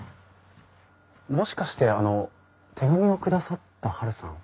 もしかしてあの手紙を下さったはるさん？